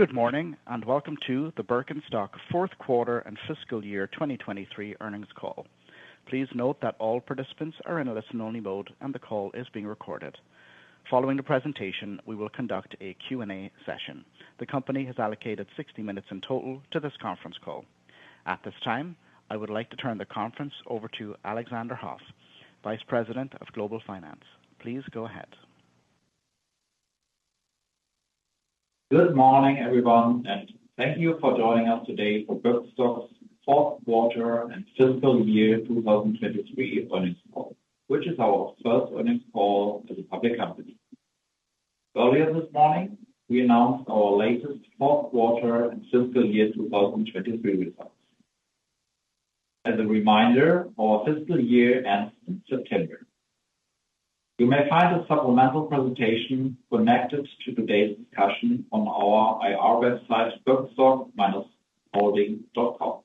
Good morning, and welcome to the Birkenstock Fourth quarter and Fiscal Year 2023 Earnings Call. Please note that all participants are in a listen-only mode, and the call is being recorded. Following the presentation, we will conduct a Q&A session. The company has allocated 60 minutes in total to this conference call. At this time, I would like to turn the conference over to Alexander Hoff, Vice President of Global Finance. Please go ahead. Good morning, everyone, and thank you for joining us today for Birkenstock's fourth quarter and fiscal year 2023 earnings call, which is our first earnings call as a public company. Earlier this morning, we announced our latest fourth quarter and fiscal year 2023 results. As a reminder, our fiscal year ends in September. You may find a supplemental presentation connected to today's discussion on our IR website, birkenstock-holding.com.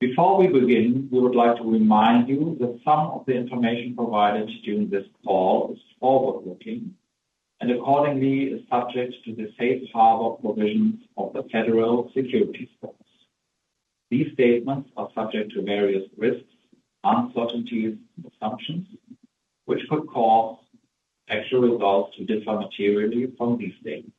Before we begin, we would like to remind you that some of the information provided during this call is forward-looking and accordingly is subject to the safe harbor provisions of the federal securities laws. These statements are subject to various risks, uncertainties, and assumptions, which could cause actual results to differ materially from these statements.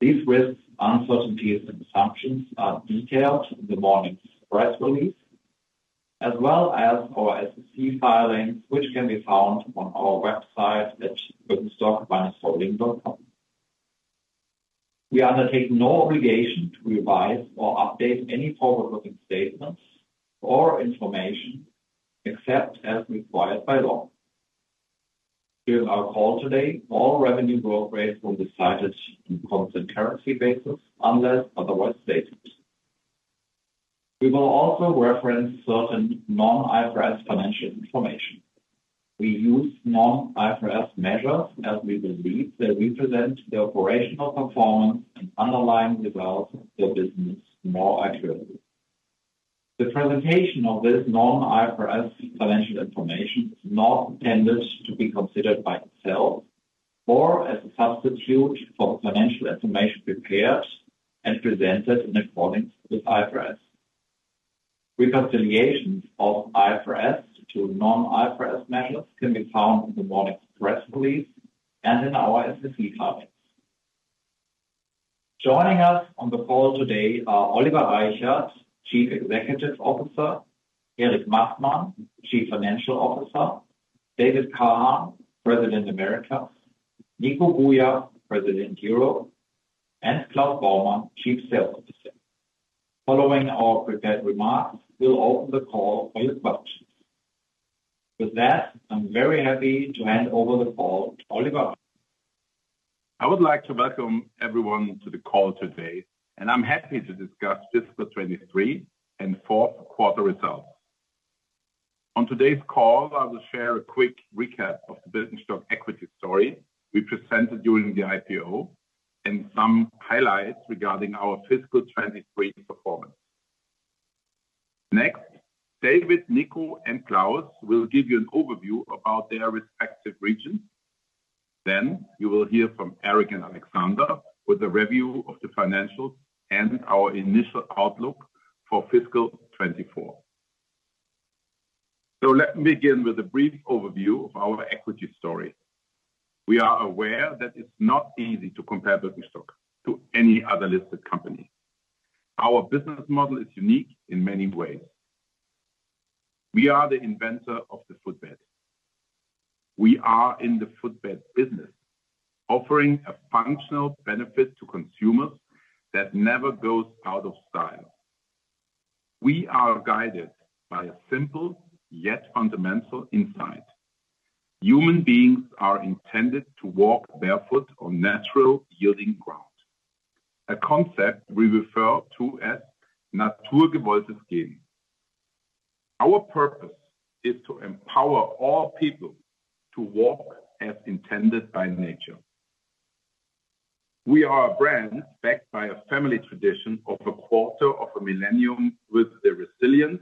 These risks, uncertainties, and assumptions are detailed in the morning's press release, as well as our SEC filings, which can be found on our website at birkenstock-holding.com. We undertake no obligation to revise or update any forward-looking statements or information, except as required by law. During our call today, all revenue growth rates will be cited in constant currency basis unless otherwise stated. We will also reference certain non-IFRS financial information. We use non-IFRS measures as we believe they represent the operational performance and underlying development of the business more accurately. The presentation of this non-IFRS financial information is not intended to be considered by itself or as a substitute for the financial information prepared and presented in accordance with IFRS. Reconciliations of IFRS to non-IFRS measures can be found in the morning's press release and in our SEC filings. Joining us on the call today are Oliver Reichert, Chief Executive Officer, Erik Massmann, Chief Financial Officer, David Kahan, President, Americas, Nico Bouyakhf, President, Europe, and Klaus Baumann, Chief Sales Officer. Following our prepared remarks, we'll open the call for your questions. With that, I'm very happy to hand over the call to Oliver. I would like to welcome everyone to the call today, and I'm happy to discuss fiscal 2023 and fourth quarter results. On today's call, I will share a quick recap of the Birkenstock equity story we presented during the IPO and some highlights regarding our fiscal 2023 performance. Next, David, Nico, and Klaus will give you an overview about their respective regions. Then you will hear from Erik and Alexander with a review of the financials and our initial outlook for fiscal 2024. So let me begin with a brief overview of our equity story. We are aware that it's not easy to compare Birkenstock to any other listed company. Our business model is unique in many ways. We are the inventor of the footbed. We are in the footbed business, offering a functional benefit to consumers that never goes out of style. We are guided by a simple, yet fundamental insight: human beings are intended to walk barefoot on natural, yielding ground, a concept we refer to as Naturgewolltes Gehen. Our purpose is to empower all people to walk as intended by nature. We are a brand backed by a family tradition of a quarter of a millennium with the resilience,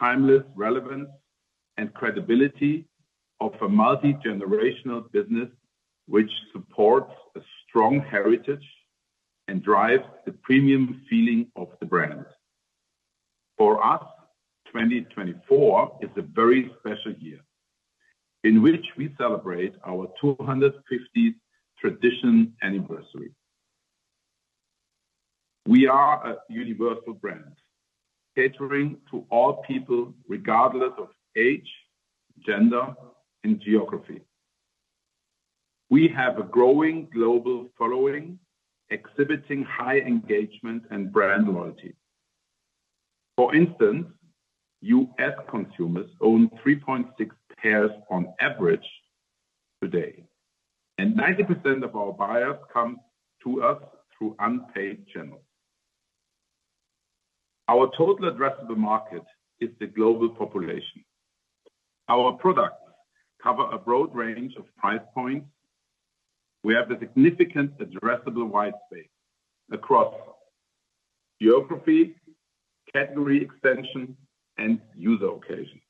timeless relevance, and credibility of a multigenerational business which supports a strong heritage and drives the premium feeling of the brand. For us, 2024 is a very special year in which we celebrate our 250th anniversary. We are a universal brand, catering to all people, regardless of age, gender, and geography. We have a growing global following, exhibiting high engagement and brand loyalty. For instance, U.S. consumers own 3.6 pairs on average today, and 90% of our buyers come to us through unpaid channels. Our total addressable market is the global population. Our products cover a broad range of price points. We have a significant addressable white space across geography, category extension, and user occasion.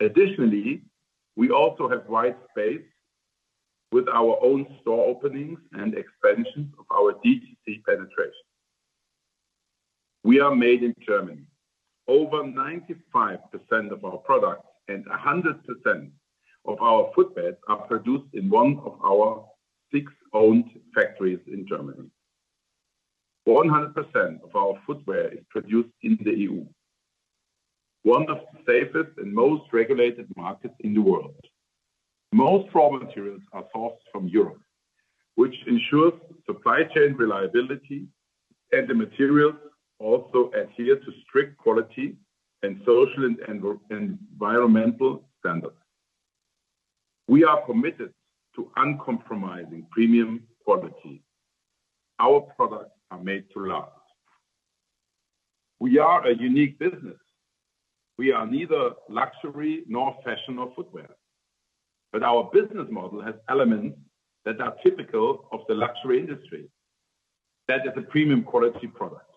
Additionally, we also have white space with our own store openings and expansion of our DTC penetration. We are made in Germany. Over 95% of our products and 100% of our footbeds are produced in one of our six owned factories in Germany. 100% of our footwear is produced in the EU, one of the safest and most regulated markets in the world. Most raw materials are sourced from Europe, which ensures supply chain reliability, and the materials also adhere to strict quality and social and environmental standards. We are committed to uncompromising premium quality. Our products are made to last. We are a unique business. We are neither luxury nor fashion or footwear, but our business model has elements that are typical of the luxury industry. That is a premium quality product,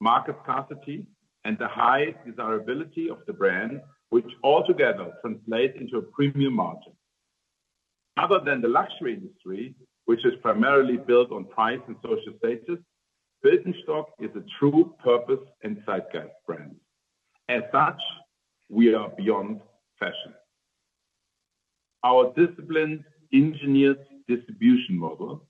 market scarcity, and the high desirability of the brand, which altogether translates into a premium margin. Other than the luxury industry, which is primarily built on price and social status, Birkenstock is a true purpose and zeitgeist brand. As such, we are beyond fashion. Our disciplined engineered distribution model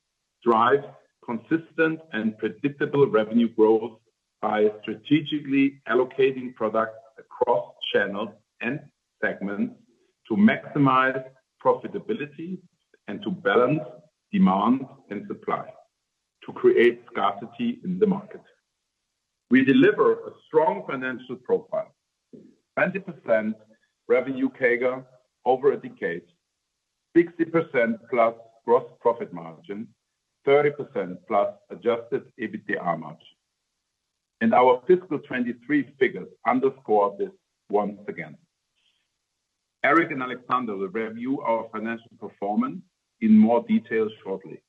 drives consistent and predictable revenue growth by strategically allocating products across channels and segments to maximize profitability and to balance demand and supply, to create scarcity in the market. We deliver a strong financial profile, 20% revenue CAGR over a decade, 60%+ gross profit margin, 30%+ adjusted EBITDA margin, and our fiscal 2023 figures underscore this once again. Erik and Alexander will review our financial performance in more detail shortly,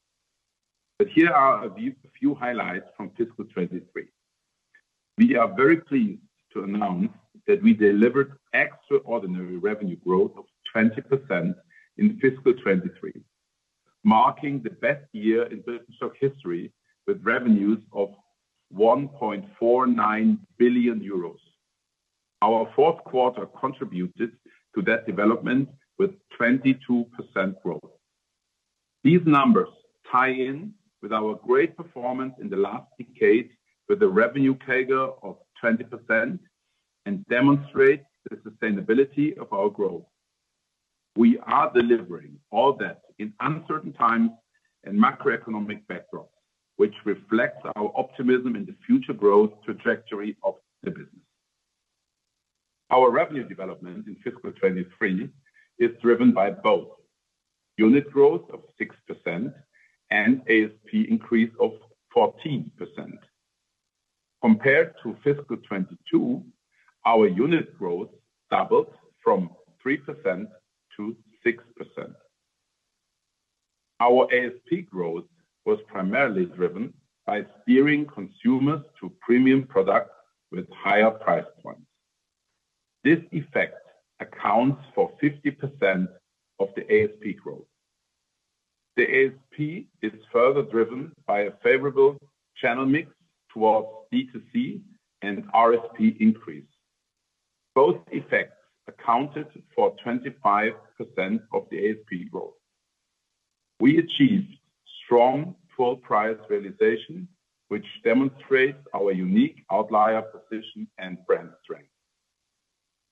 but here are a few highlights from fiscal 2023. We are very pleased to announce that we delivered extraordinary revenue growth of 20% in fiscal 2023, marking the best year in Birkenstock history, with revenues of 1.49 billion euros. Our fourth quarter contributed to that development with 22% growth. These numbers tie in with our great performance in the last decade, with a revenue CAGR of 20%, and demonstrate the sustainability of our growth. We are delivering all that in uncertain times and macroeconomic backdrop, which reflects our optimism in the future growth trajectory of the business. Our revenue development in fiscal 2023 is driven by both unit growth of 6% and ASP increase of 14%. Compared to fiscal 2022, our unit growth doubled from 3%-6%. Our ASP growth was primarily driven by steering consumers to premium products with higher priced ones. This effect accounts for 50% of the ASP growth. The ASP is further driven by a favorable channel mix towards B2C and RSP increase. Both effects accounted for 25% of the ASP growth. We achieved strong full price realization, which demonstrates our unique outlier position and brand strength.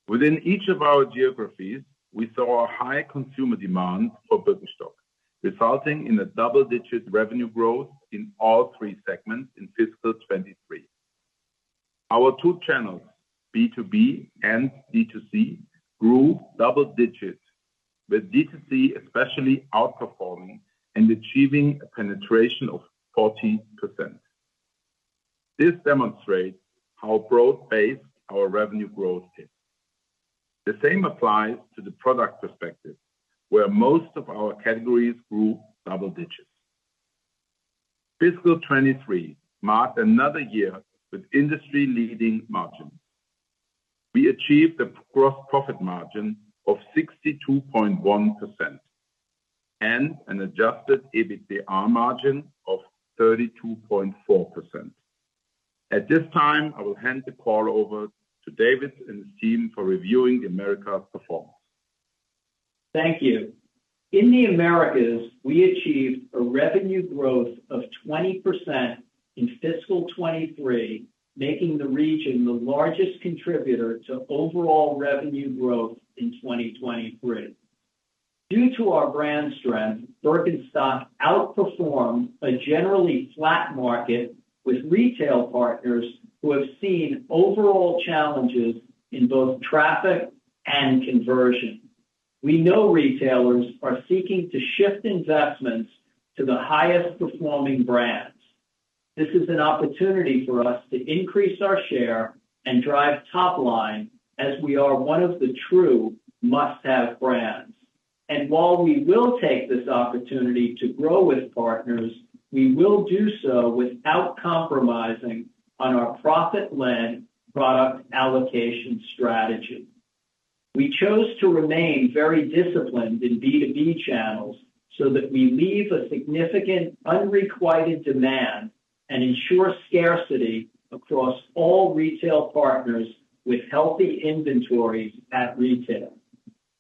Within each of our geographies, we saw a high consumer demand for Birkenstock, resulting in a double-digit revenue growth in all three segments in fiscal 2023. Our two channels, B2B and B2C, grew double digits, with B2C especially outperforming and achieving a penetration of 40%. This demonstrates how broad-based our revenue growth is. The same applies to the product perspective, where most of our categories grew double digits. Fiscal 2023 marked another year with industry-leading margins. We achieved a gross profit margin of 62.1% and an Adjusted EBITDA margin of 32.4%. At this time, I will hand the call over to David and his team for reviewing the Americas performance. Thank you. In the Americas, we achieved a revenue growth of 20% in fiscal 2023, making the region the largest contributor to overall revenue growth in 2023. Due to our brand strength, Birkenstock outperformed a generally flat market with retail partners who have seen overall challenges in both traffic and conversion. We know retailers are seeking to shift investments to the highest performing brands. This is an opportunity for us to increase our share and drive top line as we are one of the true must-have brands. While we will take this opportunity to grow with partners, we will do so without compromising on our profit-led product allocation strategy. We chose to remain very disciplined in B2B channels so that we leave a significant unrequited demand and ensure scarcity across all retail partners with healthy inventories at retail.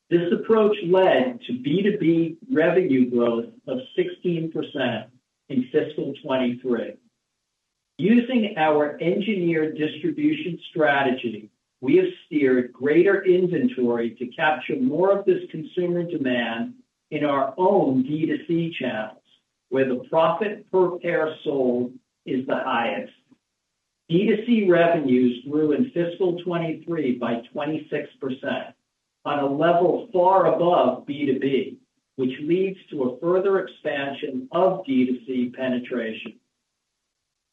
This approach led to B2B revenue growth of 16% in fiscal 2023. Using our Engineered Distribution strategy, we have steered greater inventory to capture more of this consumer demand in our own DTC channels, where the profit per pair sold is the highest. DTC revenues grew in fiscal 2023 by 26% on a level far above B2B, which leads to a further expansion of DTC penetration.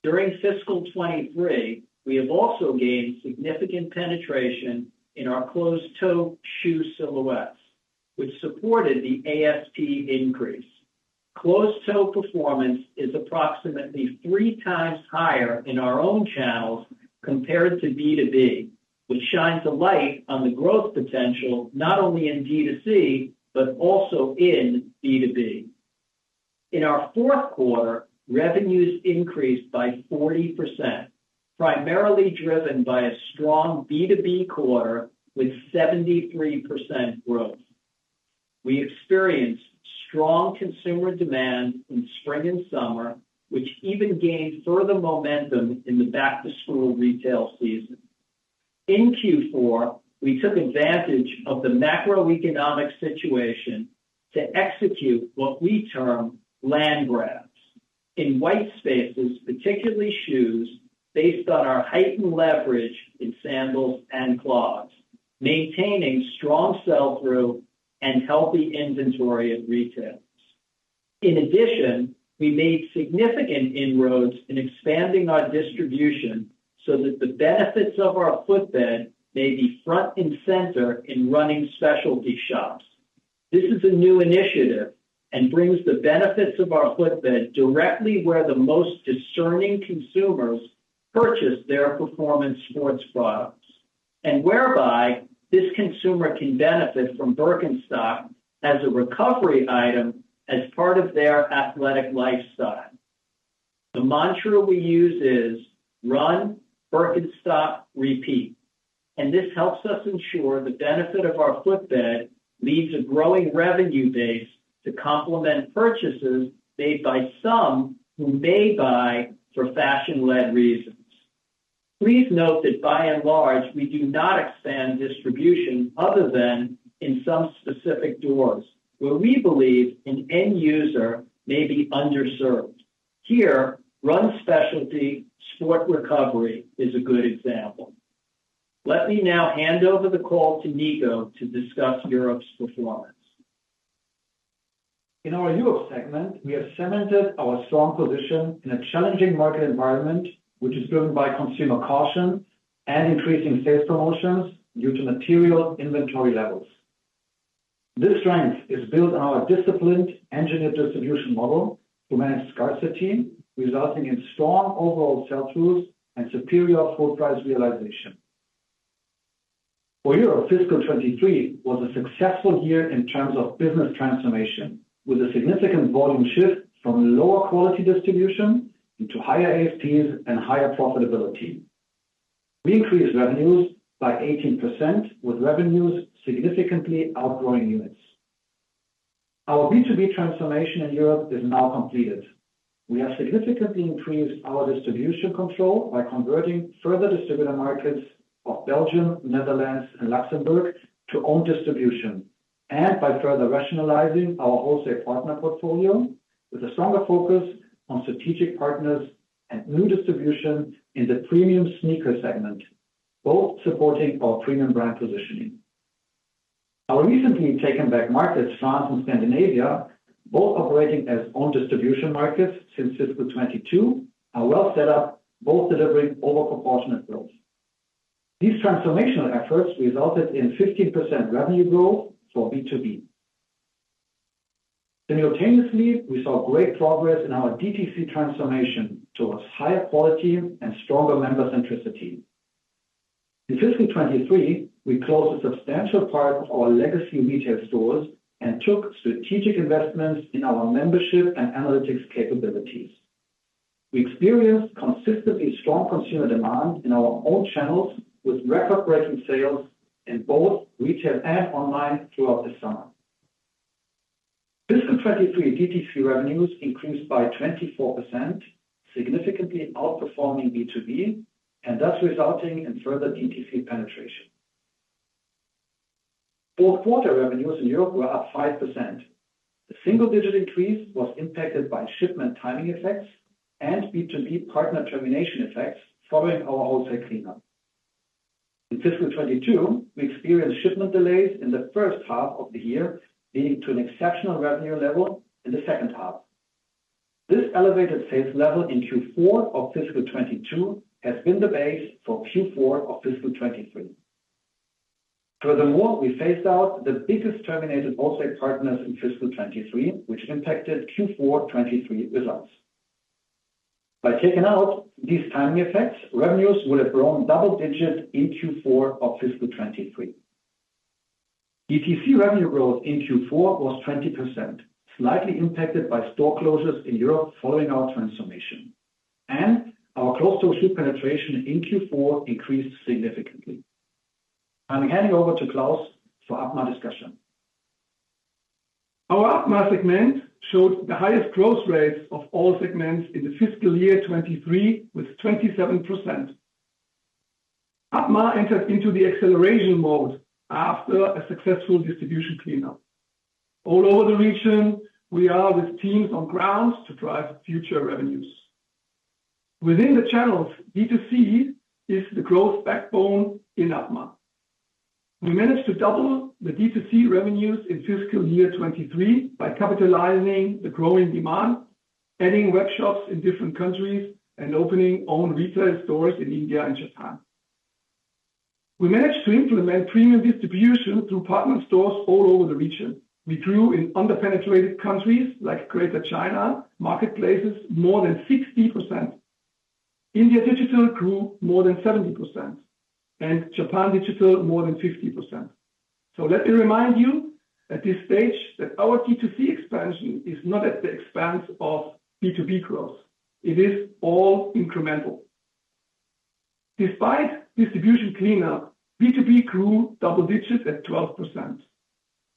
During fiscal 2023, we have also gained significant penetration in our closed-toe shoe silhouettes, which supported the ASP increase. Closed-toe performance is approximately 3x higher in our own channels compared to B2B, which shines a light on the growth potential, not only in DTC, but also in B2B. In our fourth quarter, revenues increased by 40%, primarily driven by a strong B2B quarter with 73% growth. We experienced strong consumer demand in spring and summer, which even gained further momentum in the back-to-school retail season. In Q4, we took advantage of the macroeconomic situation to execute what we term land grabs in white spaces, particularly shoes, based on our heightened leverage in sandals and clogs, maintaining strong sell-through and healthy inventory at retails. In addition, we made significant inroads in expanding our distribution so that the benefits of our footbed may be front and center in running specialty shops. This is a new initiative and brings the benefits of our footbed directly where the most discerning consumers purchase their performance sports products, and whereby this consumer can benefit from Birkenstock as a recovery item as part of their athletic lifestyle. The mantra we use is run, Birkenstock, repeat, and this helps us ensure the benefit of our footbed leaves a growing revenue base to complement purchases made by some who may buy for fashion-led reasons. Please note that by and large, we do not expand distribution other than in some specific doors, where we believe an end user may be underserved. Here, run specialty sport recovery is a good example. Let me now hand over the call to Nico to discuss Europe's performance. In our Europe segment, we have cemented our strong position in a challenging market environment, which is driven by consumer caution and increasing sales promotions due to material inventory levels. This strength is built on our disciplined engineered distribution model to manage scarcity, resulting in strong overall sell-throughs and superior full price realization. For Europe, fiscal 2023 was a successful year in terms of business transformation, with a significant volume shift from lower quality distribution into higher ASPs and higher profitability. We increased revenues by 18%, with revenues significantly outgrowing units. Our B2B transformation in Europe is now completed. We have significantly increased our distribution control by converting further distributor markets of Belgium, Netherlands, and Luxembourg to own distribution, and by further rationalizing our wholesale partner portfolio with a stronger focus on strategic partners and new distribution in the premium sneaker segment, both supporting our premium brand positioning. Our recently taken back markets, France and Scandinavia, both operating as own distribution markets since fiscal 2022, are well set up, both delivering over proportionate growth. These transformational efforts resulted in 15% revenue growth for B2B. Simultaneously, we saw great progress in our DTC transformation towards higher quality and stronger member centricity. In fiscal 2023, we closed a substantial part of our legacy retail stores and took strategic investments in our membership and analytics capabilities. We experienced consistently strong consumer demand in our own channels, with record-breaking sales in both retail and online throughout the summer. Fiscal 2023 DTC revenues increased by 24%, significantly outperforming B2B, and thus resulting in further DTC penetration. Fourth quarter revenues in Europe were up 5%. The single-digit increase was impacted by shipment timing effects and B2B partner termination effects following our wholesale cleanup. In fiscal 2022, we experienced shipment delays in the first half of the year, leading to an exceptional revenue level in the second half. This elevated sales level in Q4 of fiscal 2022 has been the base for Q4 of fiscal 2023. Furthermore, we phased out the biggest terminated wholesale partners in fiscal 2023, which impacted Q4 2023 results. By taking out these timing effects, revenues would have grown double digits in Q4 of fiscal 2023. DTC revenue growth in Q4 was 20%, slightly impacted by store closures in Europe following our transformation, and our closed-toe shoe penetration in Q4 increased significantly. I'm handing over to Klaus for APMA discussion. Our APMA segment showed the highest growth rates of all segments in the fiscal year 2023, with 27%. APMA entered into the acceleration mode after a successful distribution cleanup. All over the region, we are with teams on grounds to drive future revenues. Within the channels, B2C is the growth backbone in APMA. We managed to double the B2C revenues in fiscal year 2023 by capitalizing the growing demand, adding webshops in different countries, and opening own retail stores in India and Japan. We managed to implement premium distribution through partner stores all over the region. We grew in under-penetrated countries like Greater China, marketplaces more than 60%. India digital grew more than 70%, and Japan digital more than 50%. So let me remind you at this stage that our B2C expansion is not at the expense of B2B growth. It is all incremental. Despite distribution cleanup, B2B grew double digits at 12%.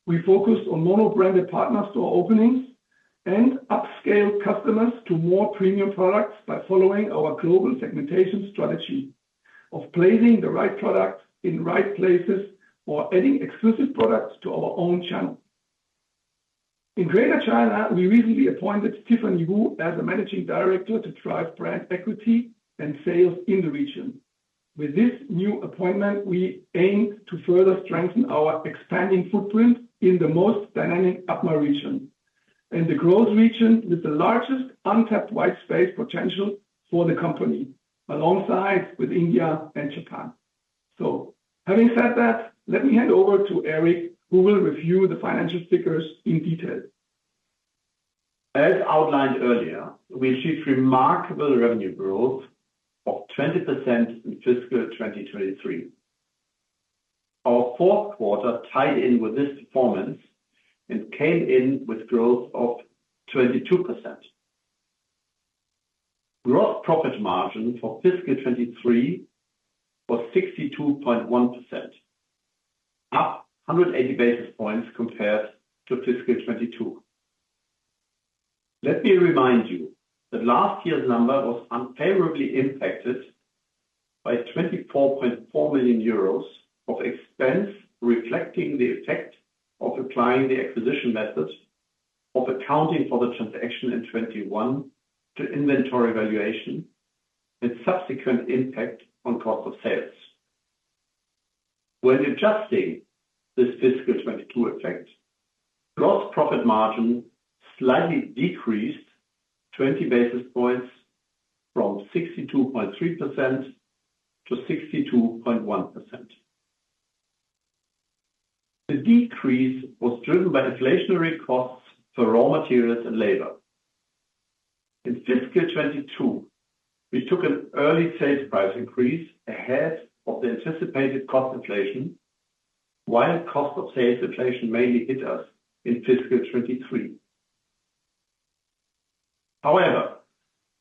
We focused on monobrand partner store openings and upscaled customers to more premium products by following our global segmentation strategy of placing the right product in right places or adding exclusive products to our own channel. In Greater China, we recently appointed Tiffany Wu as a managing director to drive brand equity and sales in the region. With this new appointment, we aim to further strengthen our expanding footprint in the most dynamic APMA region, and the growth region with the largest untapped white space potential for the company, alongside with India and Japan. Having said that, let me hand over to Erik, who will review the financial figures in detail. As outlined earlier, we achieved remarkable revenue growth of 20% in fiscal 2023. Our fourth quarter tied in with this performance and came in with growth of 22%. Gross profit margin for fiscal 2023 was 62.1%, up 180 basis points compared to fiscal 2022. Let me remind you that last year's number was unfavorably impacted by 24.4 million euros of expense, reflecting the effect of applying the acquisition methods of accounting for the transaction in 2021 to inventory valuation and subsequent impact on cost of sales. When adjusting this fiscal 2022 effect, gross profit margin slightly decreased 20 basis points from 62.3%-62.1%. The decrease was driven by inflationary costs for raw materials and labor. In fiscal 2022, we took an early sales price increase ahead of the anticipated cost inflation, while cost of sales inflation mainly hit us in fiscal 2023. However,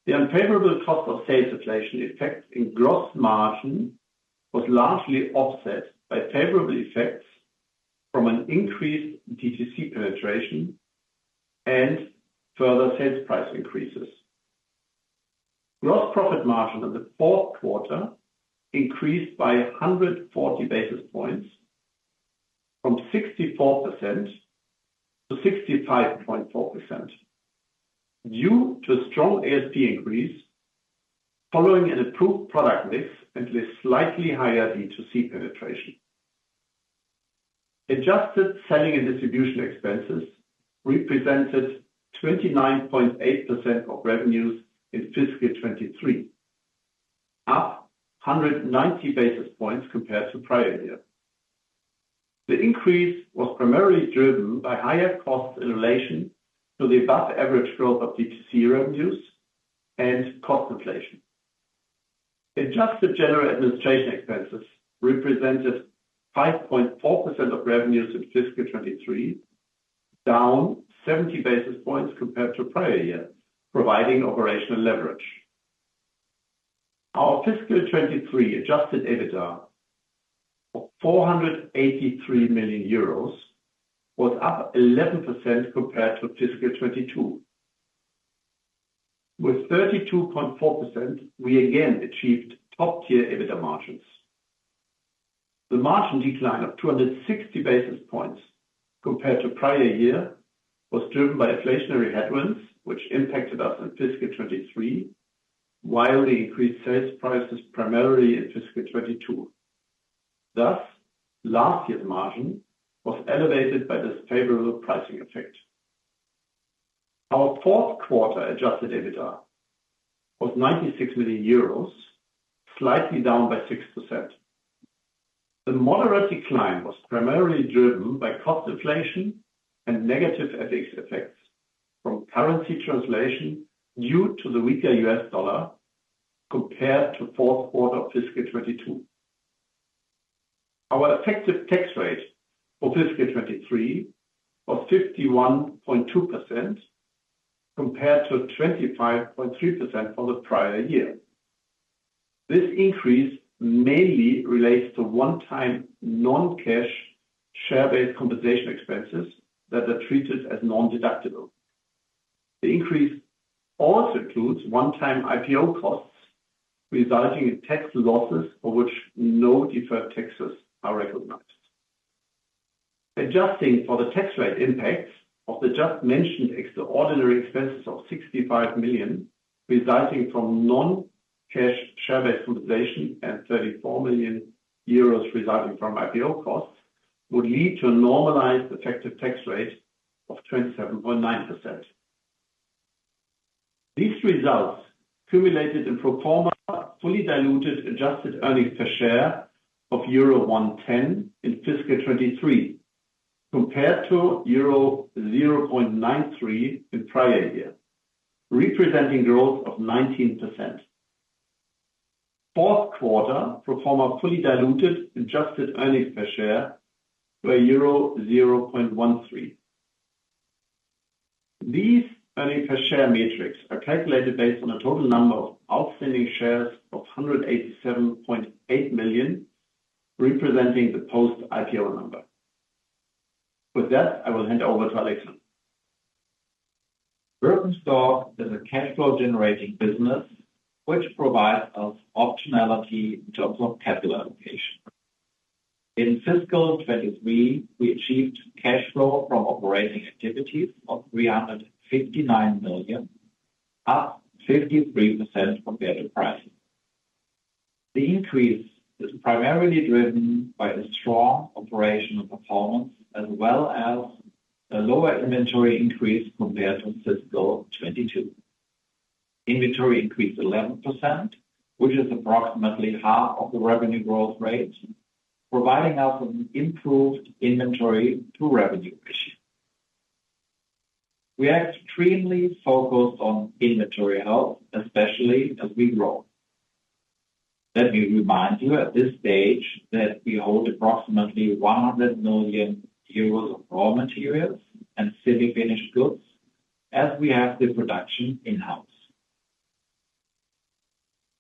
the unfavorable cost of sales inflation effect in gross margin was largely offset by favorable effects from an increased DTC penetration and further sales price increases. Gross profit margin in the fourth quarter increased by 140 basis points from 64%-65.4%, due to a strong ASP increase following an improved product mix and with slightly higher B2C penetration. Adjusted selling and distribution expenses represented 29.8% of revenues in fiscal 2023, up 190 basis points compared to prior year. The increase was primarily driven by higher costs in relation to the above-average growth of DTC revenues and cost inflation. Adjusted general administration expenses represented 5.4% of revenues in fiscal 2023, down 70 basis points compared to prior year, providing operational leverage. Our fiscal 2023 adjusted EBITDA of 483 million euros was up 11% compared to fiscal 2022. With 32.4%, we again achieved top-tier EBITDA margins. The margin decline of 260 basis points compared to prior year was driven by inflationary headwinds, which impacted us in fiscal 2023, while we increased sales prices primarily in fiscal 2022. Thus, last year's margin was elevated by this favorable pricing effect. Our fourth quarter adjusted EBITDA was 96 million euros, slightly down by 6%. The moderate decline was primarily driven by cost inflation and negative FX effects from currency translation due to the weaker US dollar compared to fourth quarter of fiscal 2022. Our effective tax rate for fiscal 2023 was 51.2%, compared to 25.3% for the prior year. This increase mainly relates to one-time non-cash share-based compensation expenses that are treated as nondeductible. The increase also includes one-time IPO costs, resulting in tax losses for which no deferred taxes are recognized. Adjusting for the tax rate impacts of the just mentioned extraordinary expenses of 65 million, resulting from non-cash share-based compensation and 34 million euros resulting from IPO costs, would lead to a normalized effective tax rate of 27.9%. These results cumulated in pro forma, fully diluted, adjusted earnings per share of euro 1.10 in fiscal 2023, compared to euro 0.93 in prior year, representing growth of 19%. Fourth quarter pro forma, fully diluted, adjusted earnings per share were euro 0.13. These earnings per share metrics are calculated based on a total number of outstanding shares of 187.8 million, representing the post-IPO number. With that, I will hand over to Alexander. Birkenstock is a cash flow generating business, which provides us optionality in terms of capital allocation. In fiscal 2023, we achieved cash flow from operating activities of 359 million, up 53% compared to prior. The increase is primarily driven by a strong operational performance, as well as a lower inventory increase compared to fiscal 2022. Inventory increased 11%, which is approximately half of the revenue growth rate, providing us with an improved inventory to revenue ratio. We are extremely focused on inventory health, especially as we grow. Let me remind you at this stage that we hold approximately 100 million euros of raw materials and semi-finished goods, as we have the production in-house.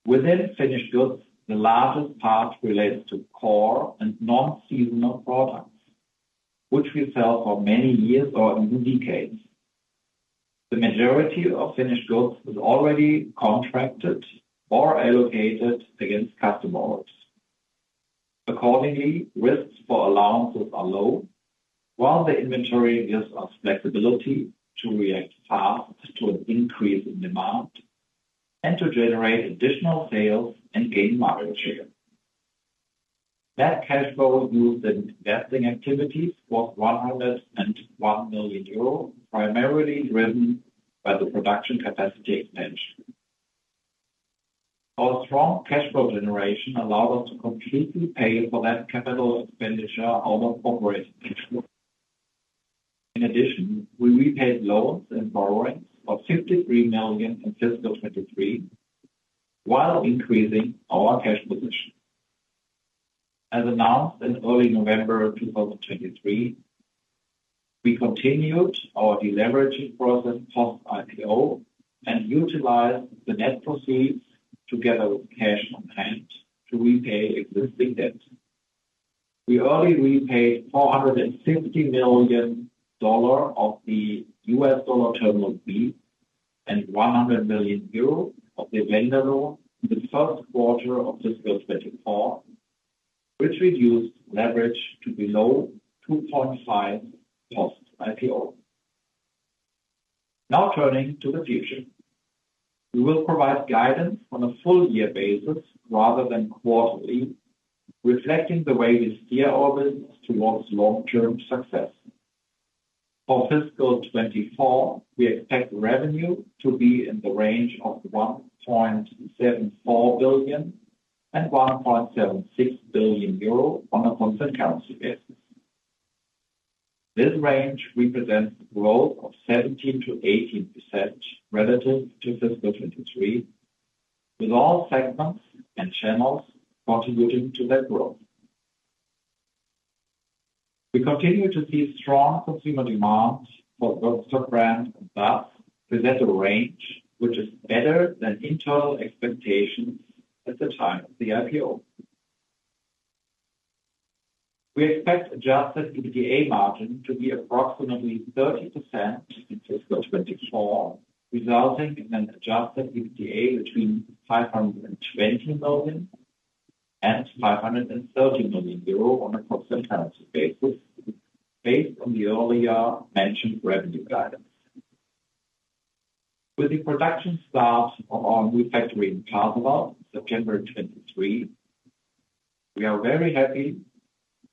Within finished goods, the largest part relates to core and non-seasonal products, which we sell for many years or even decades. The majority of finished goods is already contracted or allocated against customers. Accordingly, risks for allowances are low, while the inventory gives us flexibility to react fast to an increase in demand and to generate additional sales and gain market share. Net cash flow used in investing activities was 101 million euros, primarily driven by the production capacity expansion. Our strong cash flow generation allowed us to completely pay for that capital expenditure out of operating cash flow. In addition, we repaid loans and borrowings of 53 million in fiscal 2023, while increasing our cash position. As announced in early November 2023, we continued our deleveraging process post IPO and utilized the net proceeds together with cash on hand to repay existing debt. We already repaid $450 million of the U.S. dollar Term Loan B, and 100 million euros of the vendor loan in the first quarter of fiscal 2024, which reduced leverage to below 2.5% post IPO. Now turning to the future. We will provide guidance on a full year basis rather than quarterly, reflecting the way we steer our business towards long-term success. For fiscal 2024, we expect revenue to be in the range of 1.74 billion-1.76 billion euro on a constant currency basis. This range represents growth of 17%-18% relative to fiscal 2023, with all segments and channels contributing to that growth. We continue to see strong consumer demand for both sub-brands, and thus we set a range which is better than internal expectations at the time of the IPO. We expect adjusted EBITDA margin to be approximately 30% in fiscal 2024, resulting in an adjusted EBITDA between 520 million and 530 million euro on a constant currency basis, based on the earlier mentioned revenue guidance. With the production start on our new factory in Pasewalk, September 2023, we are very happy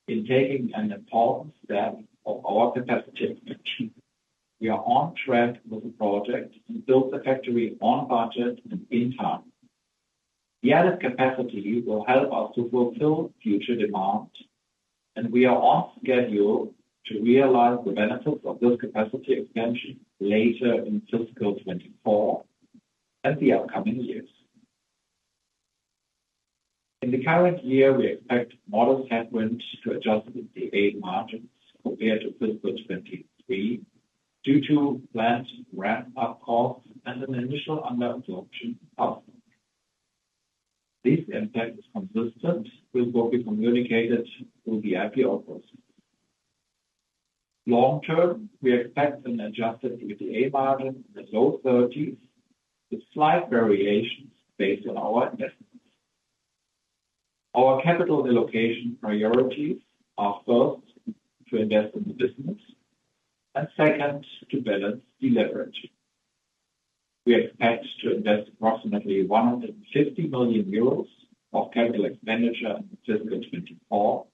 in taking an important step of our capacity. We are on track with the project to build the factory on budget and in time. The added capacity will help us to fulfill future demand, and we are on schedule to realize the benefits of this capacity expansion later in fiscal 2024 and the upcoming years. In the current year, we expect modest headwinds to adjusted gross margins compared to fiscal 2023, due to plant ramp-up costs and an initial under absorption output. This impact is consistent with what we communicated through the IPO process. Long term, we expect an Adjusted EBITDA margin in the low thirties, with slight variations based on our investments. Our capital allocation priorities are, first, to invest in the business and second, to balance the leverage. We expect to invest approximately 150 million euros of capital expenditure in fiscal 2024,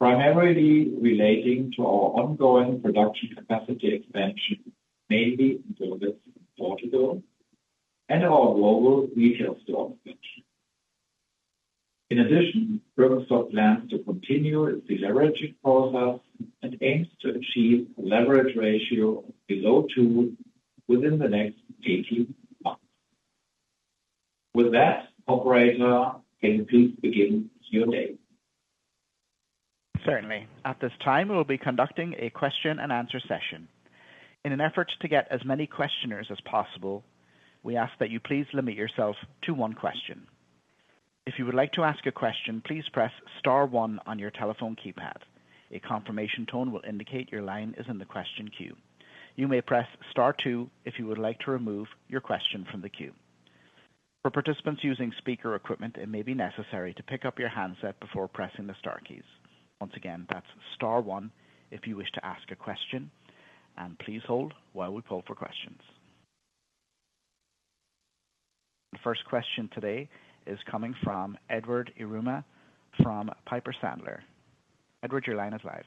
primarily relating to our ongoing production capacity expansion, mainly in Silves, Portugal, and our global retail store expansion. In addition, Birkenstock plans to continue its deleveraging process and aims to achieve a leverage ratio below two within the next 18 months. With that, operator, can you please begin Q&A? Certainly. At this time, we will be conducting a question and answer session. In an effort to get as many questioners as possible, we ask that you please limit yourself to one question. If you would like to ask a question, please press star one on your telephone keypad. A confirmation tone will indicate your line is in the question queue. You may press star two if you would like to remove your question from the queue. For participants using speaker equipment, it may be necessary to pick up your handset before pressing the star keys. Once again, that's star one if you wish to ask a question, and please hold while we pull for questions. First question today is coming from Edward Yruma, from Piper Sandler. Edward, your line is live.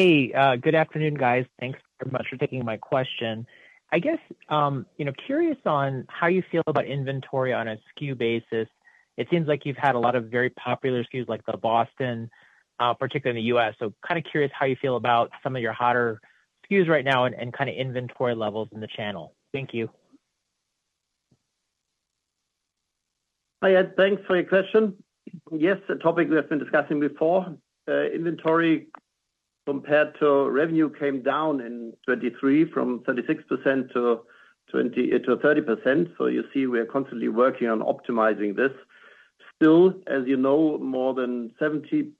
Hey, good afternoon, guys. Thanks so much for taking my question. I guess, you know, curious on how you feel about inventory on a SKU basis. It seems like you've had a lot of very popular SKUs, like the Boston, particularly in the US. So kind of curious how you feel about some of your hotter SKUs right now and kind of inventory levels in the channel. Thank you. Hi, Ed. Thanks for your question. Yes, a topic we have been discussing before. Inventory compared to revenue came down in 2023 from 36% to 20%-30%. So you see, we are constantly working on optimizing this. Still, as you know, more than 75%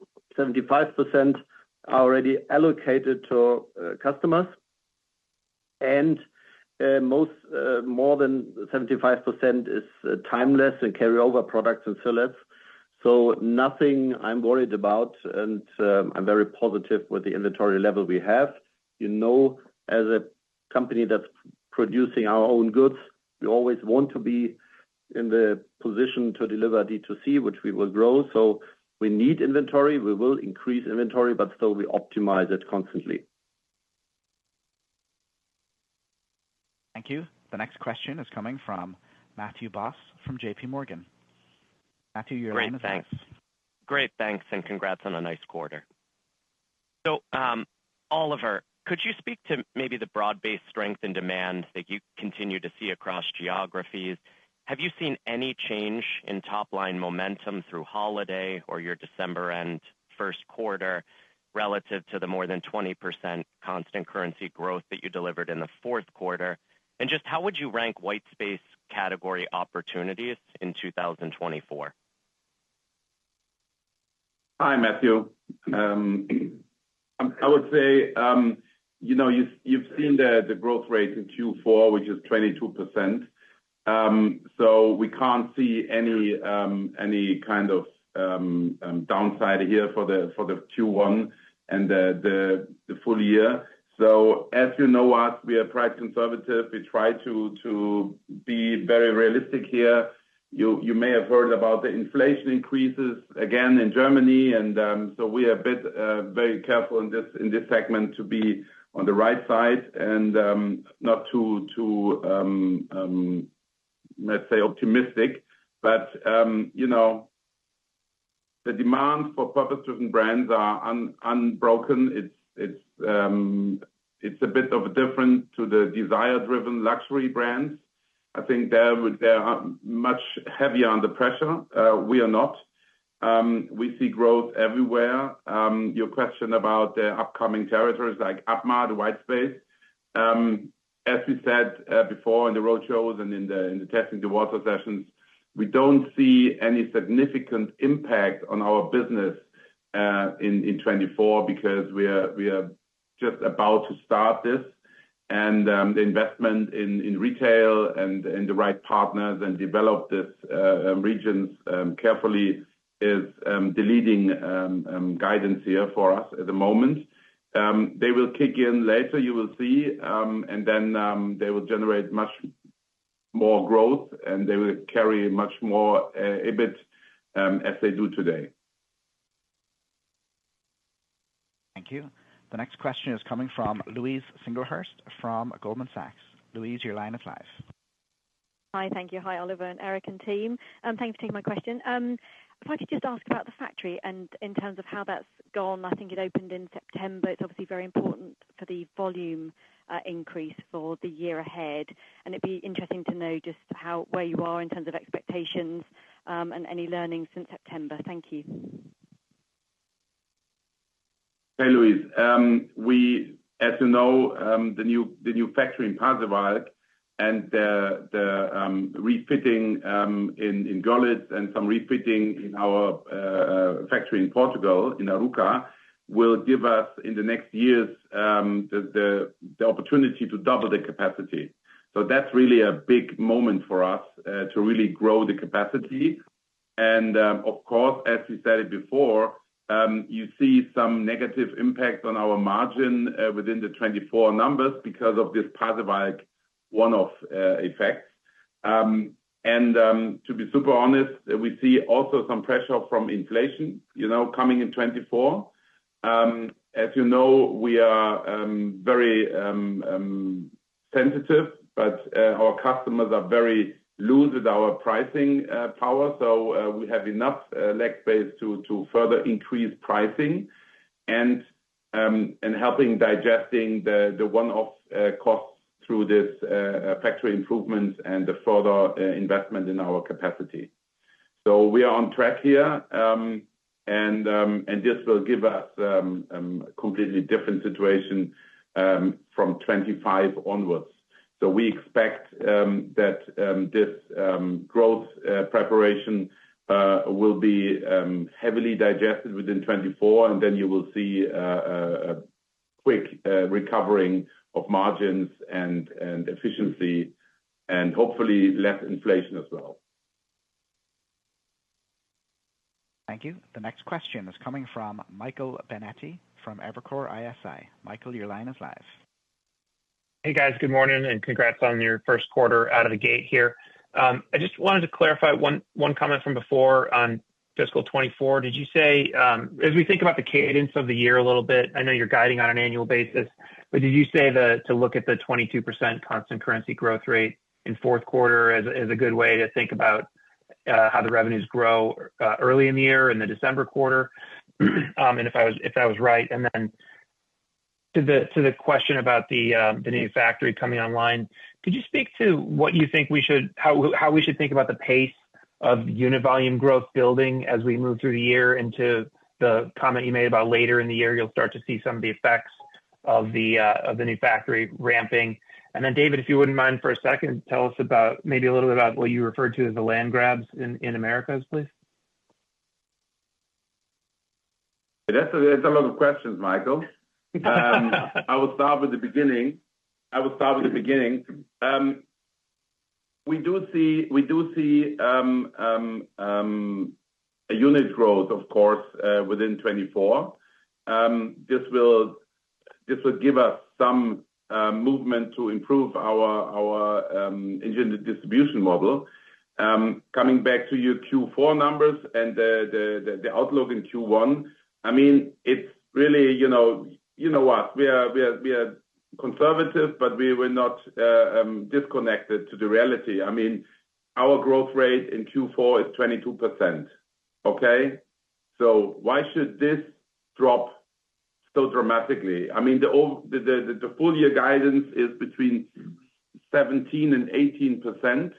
are already allocated to customers, and more than 75% is timeless and carryover products and silhouettes. So nothing I'm worried about, and I'm very positive with the inventory level we have. You know, as a company that's producing our own goods, we always want to be in the position to deliver D2C, which we will grow. So we need inventory. We will increase inventory, but still we optimize it constantly. Thank you. The next question is coming from Matthew Boss, from JP Morgan. Matthew, your line is next. Great, thanks. Great, thanks, and congrats on a nice quarter. So, Oliver, could you speak to maybe the broad-based strength and demands that you continue to see across geographies? Have you seen any change in top-line momentum through holiday or your December and first quarter relative to the more than 20% constant currency growth that you delivered in the fourth quarter? And just how would you rank white space category opportunities in 2024? Hi, Matthew. I would say, you know, you've seen the growth rate in Q4, which is 22%. So we can't see any kind of downside here for the Q1 and the full year. So as you know us, we are quite conservative. We try to be very realistic here. You may have heard about the inflation increases again in Germany, and so we are a bit very careful in this segment to be on the right side and not too too, let's say optimistic. But you know, the demand for purpose-driven brands are unbroken. It's a bit different to the desire-driven luxury brands. I think they're much heavier under pressure, we are not. We see growth everywhere. Your question about the upcoming territories like APMA, the white space. As we said before in the road shows and in the testing-the-water sessions, we don't see any significant impact on our business in 2024 because we are just about to start this. The investment in retail and the right partners and develop these regions carefully is the leading guidance here for us at the moment. They will kick in later, you will see, and then they will generate more growth, and they will carry much more EBIT as they do today. Thank you. The next question is coming from Louise Singlehurst from Goldman Sachs. Louise, your line is live. Hi, thank you. Hi, Oliver and Eric and team. Thanks for taking my question. If I could just ask about the factory and in terms of how that's gone. I think it opened in September. It's obviously very important for the volume increase for the year ahead, and it'd be interesting to know just how where you are in terms of expectations, and any learnings since September. Thank you. Hey, Louise. We, as you know, the new, the new factory in Pasewalk and the, the, refitting, in, in Görlitz and some refitting in our, factory in Portugal, in Arouca, will give us, in the next years, the, the, the opportunity to double the capacity. So that's really a big moment for us, to really grow the capacity. And, of course, as we said it before, you see some negative impact on our margin, within the 2024 numbers because of this Pasewalk one-off, effect. And, to be super honest, we see also some pressure from inflation, you know, coming in 2024. As you know, we are, very, sensitive, but, our customers are very loose with our pricing, power. So, we have enough leg space to further increase pricing and helping digesting the one-off costs through this factory improvements and the further investment in our capacity. So we are on track here, and this will give us completely different situation from 2025 onwards. So we expect that this growth preparation will be heavily digested within 2024, and then you will see a quick recovering of margins and efficiency and hopefully less inflation as well. Thank you. The next question is coming from Michael Binetti, from Evercore ISI. Michael, your line is live. Hey, guys, good morning, and congrats on your first quarter out of the gate here. I just wanted to clarify one comment from before on fiscal 2024. Did you say, as we think about the cadence of the year a little bit, I know you're guiding on an annual basis, but did you say that to look at the 22% constant currency growth rate in fourth quarter as a good way to think about how the revenues grow early in the year, in the December quarter? And if I was, if that was right, and then to the, to the question about the, the new factory coming online, could you speak to what you think we should—how, how we should think about the pace of unit volume growth building as we move through the year into the comment you made about later in the year, you'll start to see some of the effects of the, of the new factory ramping? And then, David, if you wouldn't mind for a second, tell us about, maybe a little bit about what you referred to as the land grabs in, in Americas, please. That's a lot of questions, Michael. I will start with the beginning. I will start with the beginning. We do see a unit growth, of course, within 2024. This will give us some movement to improve our Engineered Distribution model. Coming back to your Q4 numbers and the outlook in Q1, I mean, it's really, you know, you know what? We are conservative, but we were not disconnected to the reality. I mean, our growth rate in Q4 is 22%, okay? So why should this drop so dramatically? I mean, the full year guidance is between 17% and 18%.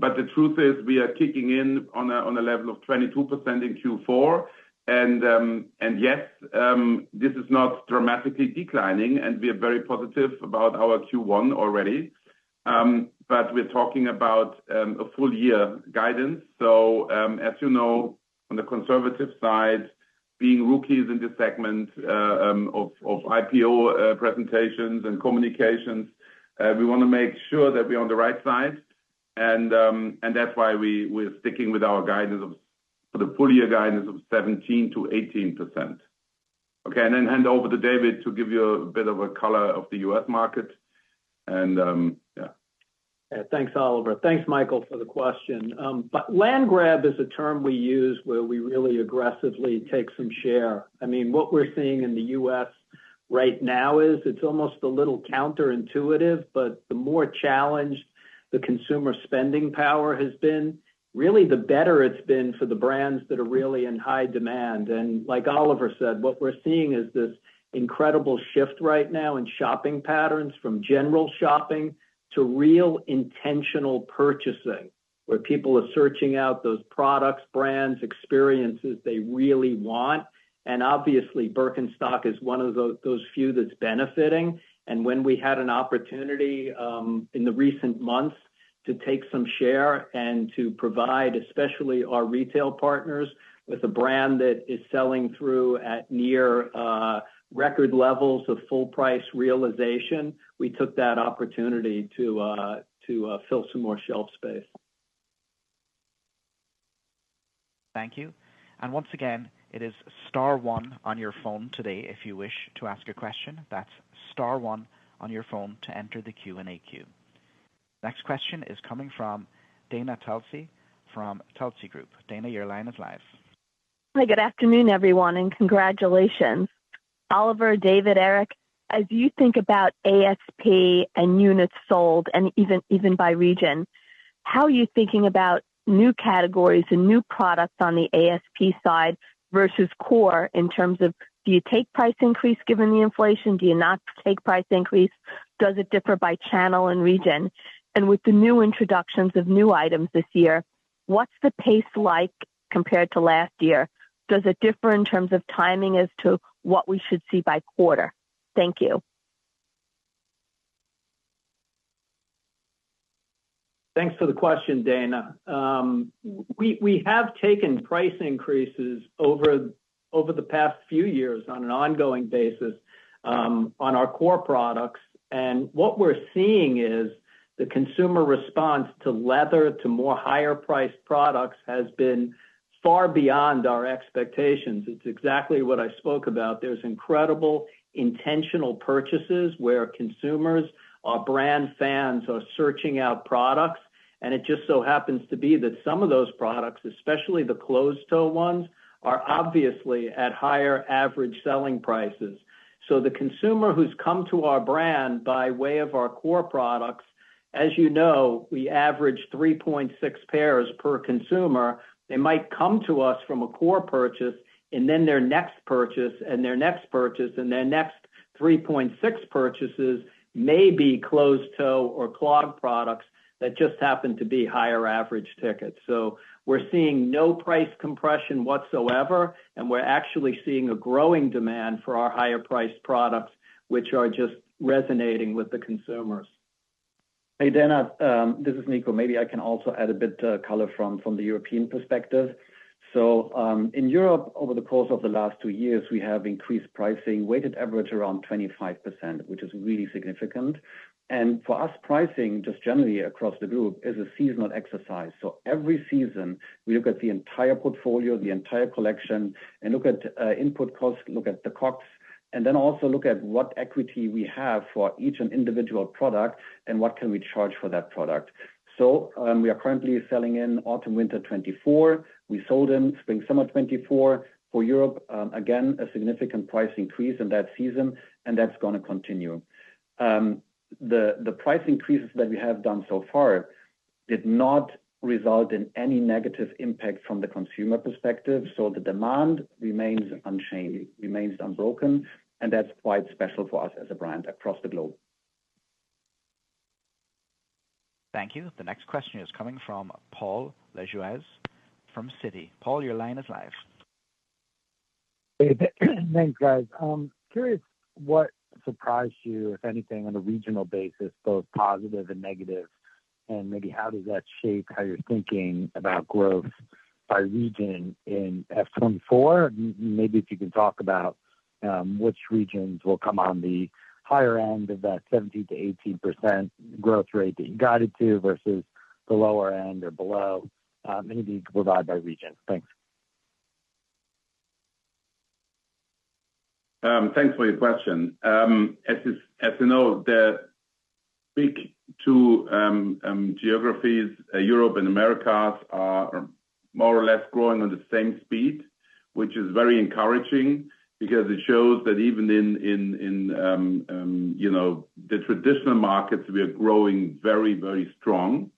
But the truth is, we are kicking in on a level of 22% in Q4. Yes, this is not dramatically declining, and we are very positive about our Q1 already. But we're talking about a full year guidance. So, as you know, on the conservative side, being rookies in the segment of IPO presentations and communications, we want to make sure that we're on the right side. And that's why we're sticking with our guidance for the full year guidance of 17%-18%. Okay, and then hand over to David to give you a bit of a color of the U.S. market. Yeah. Yeah. Thanks, Oliver. Thanks, Michael, for the question. But land grab is a term we use where we really aggressively take some share. I mean, what we're seeing in the U.S. right now is, it's almost a little counterintuitive, but the more challenged the consumer spending power has been, really the better it's been for the brands that are really in high demand. And like Oliver said, what we're seeing is this incredible shift right now in shopping patterns, from general shopping to real intentional purchasing, where people are searching out those products, brands, experiences they really want. And obviously, Birkenstock is one of those few that's benefiting. When we had an opportunity in the recent months to take some share and to provide, especially our retail partners, with a brand that is selling through at near record levels of full price realization, we took that opportunity to fill some more shelf space. Thank you. Once again, it is star one on your phone today if you wish to ask a question. That's star one on your phone to enter the Q&A queue. Next question is coming from Dana Telsey from Telsey Group. Dana, your line is live. Hi, good afternoon, everyone, and congratulations. Oliver, David, Erik, as you think about ASP and units sold and even, even by region, how are you thinking about new categories and new products on the ASP side versus core in terms of do you take price increase given the inflation? Do you not take price increase? Does it differ by channel and region? And with the new introductions of new items this year, what's the pace like compared to last year? Does it differ in terms of timing as to what we should see by quarter? Thank you. Thanks for the question, Dana. We have taken price increases over the past few years on an ongoing basis on our core products. And what we're seeing is the consumer response to leather, to more higher-priced products, has been far beyond our expectations. It's exactly what I spoke about. There's incredible intentional purchases where consumers or brand fans are searching out products, and it just so happens to be that some of those products, especially the closed-toe ones, are obviously at higher average selling prices. So the consumer who's come to our brand by way of our core products, as you know, we average 3.6 pairs per consumer. They might come to us from a core purchase, and then their next purchase, and their next purchase, and their next 3.6 purchases may be closed-toe or clog products that just happen to be higher average tickets. So we're seeing no price compression whatsoever, and we're actually seeing a growing demand for our higher-priced products, which are just resonating with the consumers. Hey, Dana, this is Nico. Maybe I can also add a bit, color from the European perspective. So, in Europe, over the course of the last two years, we have increased pricing, weighted average around 25%, which is really significant. And for us, pricing, just generally across the group, is a seasonal exercise. So every season, we look at the entire portfolio, the entire collection, and look at, input costs, look at the COGS, and then also look at what equity we have for each individual product and what can we charge for that product. So, we are currently selling in autumn/winter 2024. We sold in spring/summer 2024 for Europe. Again, a significant price increase in that season, and that's gonna continue. The price increases that we have done so far did not result in any negative impact from the consumer perspective, so the demand remains unchanged, remains unbroken, and that's quite special for us as a brand across the globe. Thank you. The next question is coming from Paul Lejuez from Citi. Paul, your line is live. Thanks, guys. Curious what surprised you, if anything, on a regional basis, both positive and negative, and maybe how does that shape how you're thinking about growth by region in FY 2024? Maybe if you can talk about which regions will come on the higher end of that 70%-80% growth rate that you guided to versus the lower end or below, maybe provided by region. Thanks. Thanks for your question. As you know, the big two geographies, Europe and Americas, are more or less growing on the same speed, which is very encouraging because it shows that even in you know, the traditional markets, we are growing very, very strong.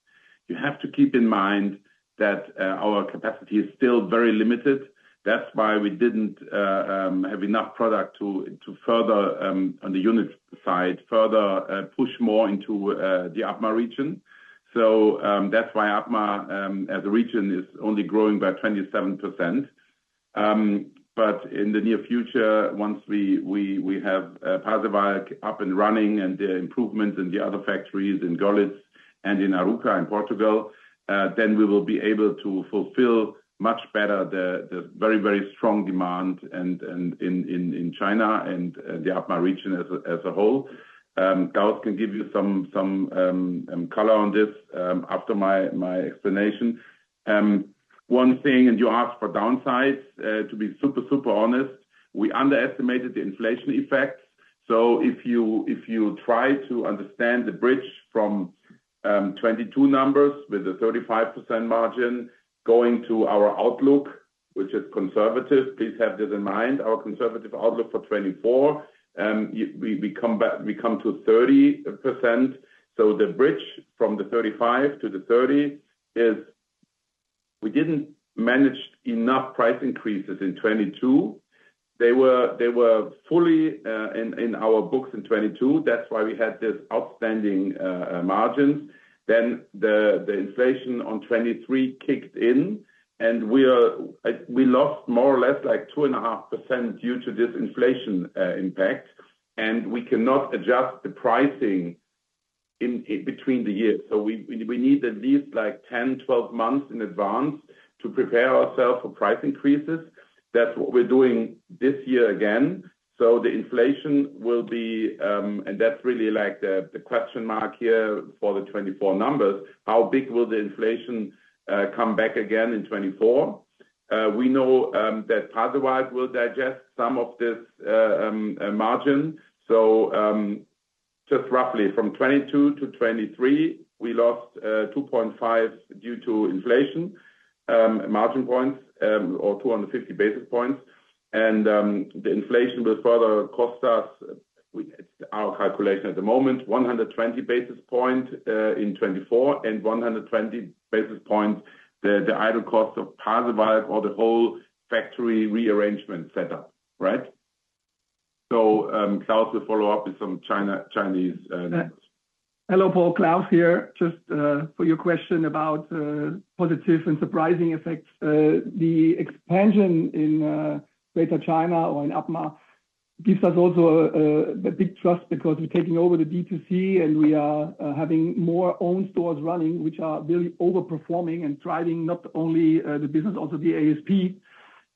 You have to keep in mind that our capacity is still very limited. That's why we didn't have enough product to further on the unit side, further push more into the APMA region. So, that's why APMA, as a region, is only growing by 27%. But in the near future, once we have Pasewalk up and running and the improvements in the other factories in Görlitz and in Arouca, in Portugal, then we will be able to fulfill much better the very, very strong demand and in China and the APMA region as a whole. Klaus can give you some color on this after my explanation. One thing, and you asked for downsides. To be super honest, we underestimated the inflation effect. So if you try to understand the bridge from 2022 numbers with a 35% margin going to our outlook, which is conservative, please have this in mind, our conservative outlook for 2024, we come back—we come to 30%. So the bridge from the 35 to the 30 is we didn't manage enough price increases in 2022. They were fully in our books in 2022. That's why we had this outstanding margins. Then the inflation on 2023 kicked in, and we lost more or less like 2.5% due to this inflation impact, and we cannot adjust the pricing in between the years. So we need at least like 10, 12 months in advance to prepare ourselves for price increases. That's what we're doing this year again. So the inflation will be, and that's really like the question mark here for the 2024 numbers: How big will the inflation come back again in 2024? We know that Pasewalk will digest some of this margin. So, just roughly from 2022 to 2023, we lost 2.5 due to inflation margin points, or 250 basis points. And, the inflation will further cost us, our calculation at the moment, 120 basis point in 2024, and 120 basis points, the idle cost of Pasewalk or the whole factory rearrangement setup, right? So, Klaus will follow up with some Chinese numbers. Hello, Paul. Klaus here. Just for your question about positive and surprising effects, the expansion in Greater China or in APMA gives us also a big trust because we're taking over the D2C, and we are having more own stores running, which are really overperforming and driving not only the business, also the ASP.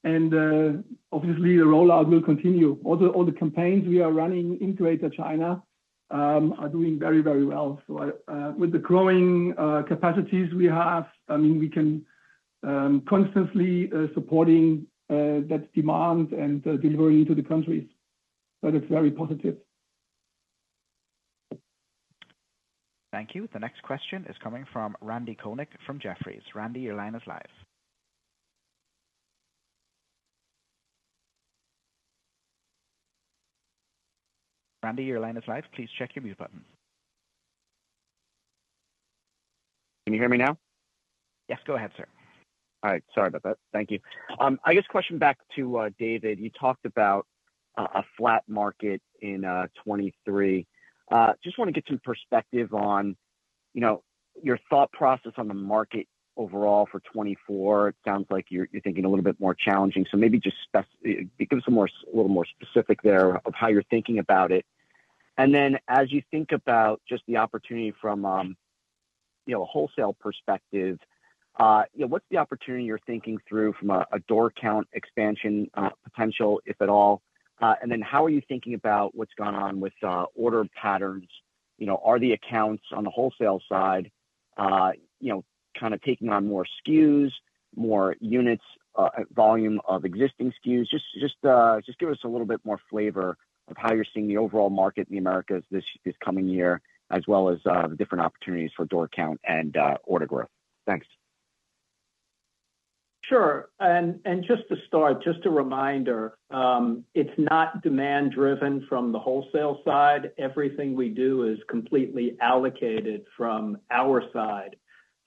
And obviously, the rollout will continue. All the campaigns we are running in Greater China are doing very, very well. So, with the growing capacities we have, I mean, we can constantly supporting that demand and delivering to the countries. That is very positive. Thank you. The next question is coming from Randy Konik from Jefferies. Randy, your line is live. Randy, your line is live. Please check your mute button. Can you hear me now? Yes, go ahead, sir. All right. Sorry about that. Thank you. I guess question back to David. You talked about a flat market in 2023. Just want to get some perspective on, you know, your thought process on the market overall for 2024. It sounds like you're thinking a little bit more challenging. So maybe just be a little more specific there of how you're thinking about it. And then as you think about just the opportunity from, you know, a wholesale perspective, you know, what's the opportunity you're thinking through from a door count expansion potential, if at all? And then how are you thinking about what's gone on with order patterns? You know, are the accounts on the wholesale side, you know, kind of taking on more SKUs, more units, volume of existing SKUs? Just give us a little bit more flavor of how you're seeing the overall market in the Americas this coming year, as well as the different opportunities for door count and order growth. Thanks. Sure. And just to start, just a reminder, it's not demand driven from the wholesale side. Everything we do is completely allocated from our side.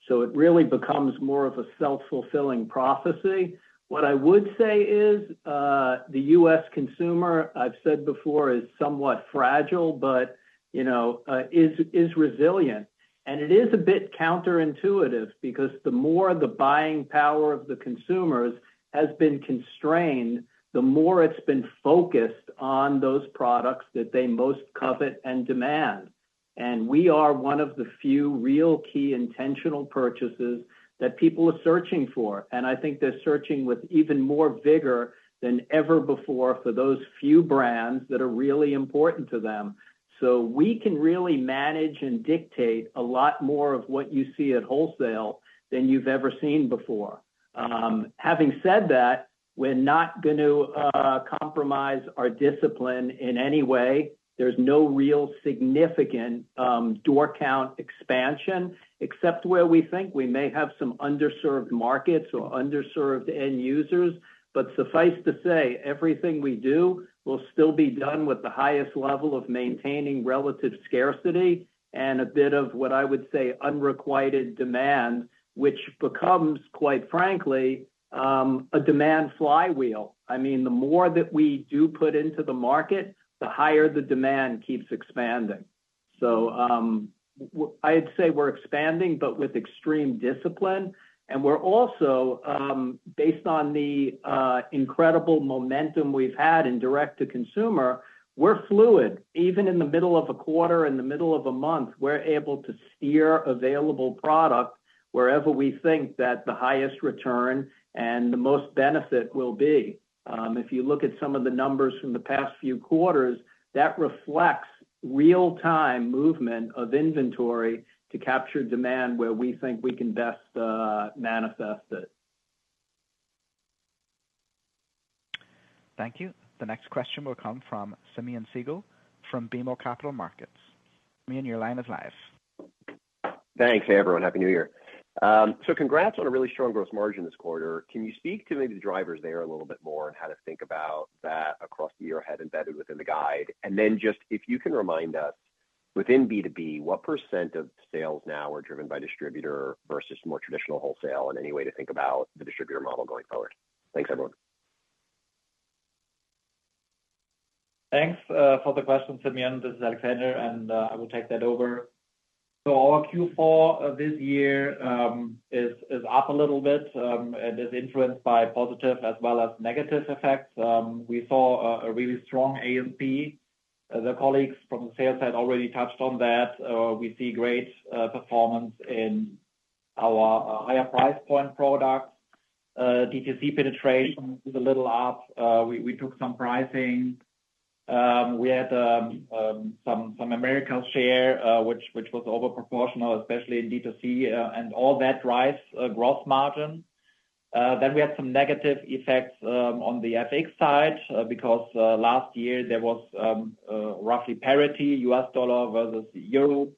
So it really becomes more of a self-fulfilling prophecy. What I would say is, the U.S. consumer, I've said before, is somewhat fragile, but, you know, is resilient. And it is a bit counterintuitive because the more the buying power of the consumers has been constrained, the more it's been focused on those products that they most covet and demand. And we are one of the few real key intentional purchases that people are searching for, and I think they're searching with even more vigor than ever before for those few brands that are really important to them. So we can really manage and dictate a lot more of what you see at wholesale than you've ever seen before. Having said that, we're not going to compromise our discipline in any way. There's no real significant door count expansion, except where we think we may have some underserved markets or underserved end users. But suffice to say, everything we do will still be done with the highest level of maintaining relative scarcity and a bit of what I would say, unrequited demand, which becomes, quite frankly, a demand flywheel. I mean, the more that we do put into the market, the higher the demand keeps expanding. So, I'd say we're expanding, but with extreme discipline. And we're also, based on the incredible momentum we've had in direct to consumer, we're fluid. Even in the middle of a quarter, in the middle of a month, we're able to steer available product wherever we think that the highest return and the most benefit will be. If you look at some of the numbers from the past few quarters, that reflects real-time movement of inventory to capture demand where we think we can best, manifest it. Thank you. The next question will come from Simeon Siegel from BMO Capital Markets. Simeon, your line is live. Thanks. Hey, everyone, Happy New Year. So congrats on a really strong growth margin this quarter. Can you speak to maybe the drivers there a little bit more and how to think about that across the year ahead, embedded within the guide? And then just if you can remind us, within B2B, what percent of sales now are driven by distributor versus more traditional wholesale, and any way to think about the distributor model going forward? Thanks, everyone. Thanks for the question, Simeon. This is Alexander, and I will take that over. So our Q4 of this year is up a little bit and is influenced by positive as well as negative effects. We saw a really strong Americas. The colleagues from the sales side already touched on that. We see great performance in our higher price point products. DTC penetration is a little up. We took some pricing. We had some Americas share, which was over proportional, especially in DTC, and all that drives gross margin. Then we had some negative effects on the FX side, because last year there was roughly parity U.S. dollar versus euro.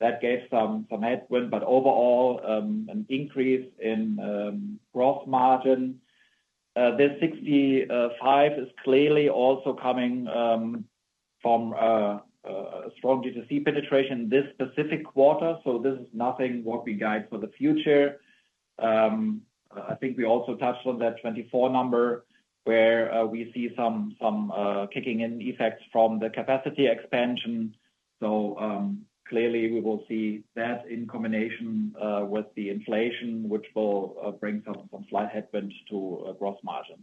That gave some headwind, but overall, an increase in gross margin. The 65 is clearly also coming from strong D2C penetration this specific quarter, so this is nothing what we guide for the future. I think we also touched on that 24 number, where we see some kicking in effects from the capacity expansion. So, clearly we will see that in combination with the inflation, which will bring some slight headwinds to gross margin.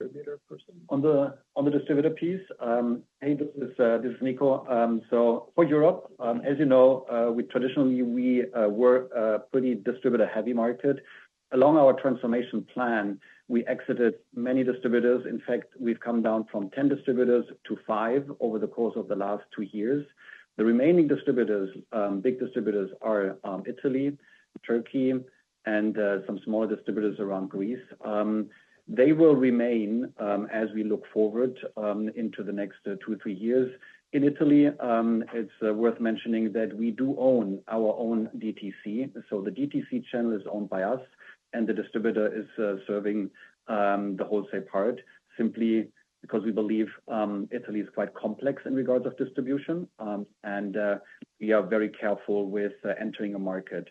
Distributor portion. On the distributor piece, hey, this is Nico. So for Europe, as you know, we traditionally were a pretty distributor-heavy market. Along our transformation plan, we exited many distributors. In fact, we've come down from 10 distributors to five over the course of the last two years. The remaining distributors, big distributors are Italy, Turkey, and some small distributors around Greece. They will remain as we look forward into the next two, three years. In Italy, it's worth mentioning that we do own our own DTC. So the DTC channel is owned by us, and the distributor is serving the wholesale part, simply because we believe Italy is quite complex in regards of distribution. And we are very careful with entering a market.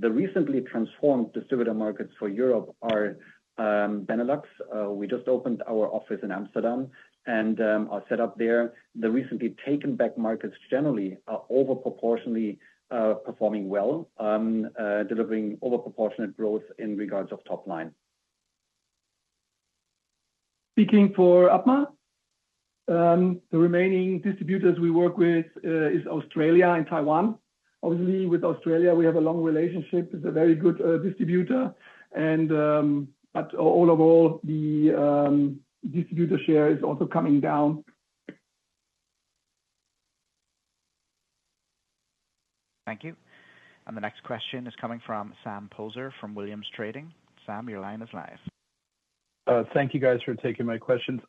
The recently transformed distributor markets for Europe are Benelux. We just opened our office in Amsterdam and are set up there. The recently taken back markets generally are over proportionally performing well, delivering over proportionate growth in regards of top line. Speaking for APMA, the remaining distributors we work with is Australia and Taiwan. Obviously, with Australia, we have a long relationship. It's a very good distributor and, but overall, the distributor share is also coming down. Thank you. The next question is coming from Sam Poser from Williams Trading. Sam, your line is live. Thank you guys for taking my questions.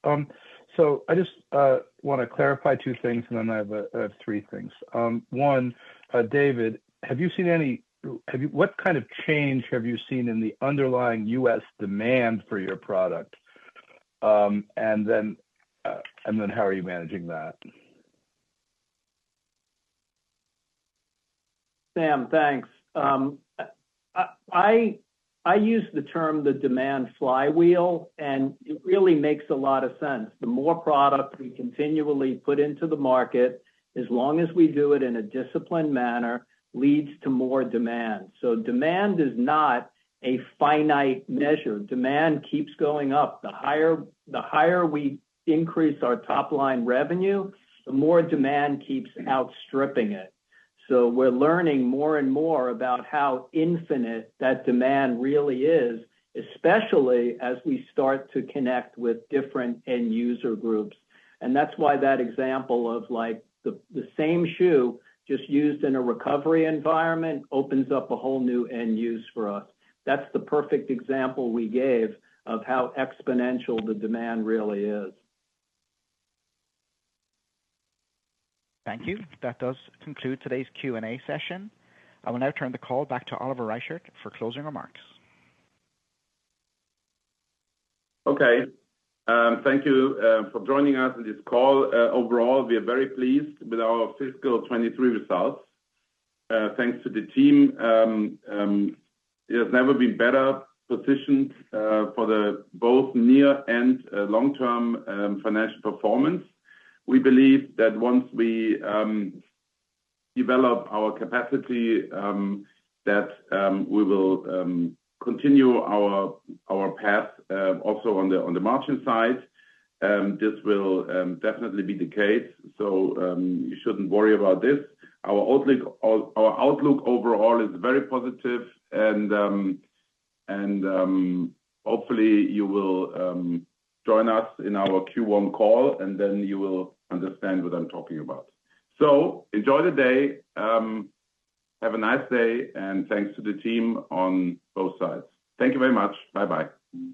So I just want to clarify two things, and then I have three things. One, David, what kind of change have you seen in the underlying U.S. demand for your product? And then how are you managing that? Sam, thanks. I use the term the demand flywheel, and it really makes a lot of sense. The more product we continually put into the market, as long as we do it in a disciplined manner, leads to more demand. So demand is not a finite measure. Demand keeps going up. The higher, the higher we increase our top line revenue, the more demand keeps outstripping it. So we're learning more and more about how infinite that demand really is, especially as we start to connect with different end user groups. And that's why that example of, like, the same shoe just used in a recovery environment, opens up a whole new end use for us. That's the perfect example we gave of how exponential the demand really is. Thank you. That does conclude today's Q&A session. I will now turn the call back to Oliver Reichert for closing remarks. Okay. Thank you for joining us on this call. Overall, we are very pleased with our fiscal 2023 results. Thanks to the team, it has never been better positioned for both near- and long-term financial performance. We believe that once we develop our capacity, that we will continue our path also on the margin side. This will definitely be the case, so you shouldn't worry about this. Our outlook overall is very positive and hopefully, you will join us in our Q1 call, and then you will understand what I'm talking about. So enjoy the day. Have a nice day, and thanks to the team on both sides. Thank you very much. Bye-bye.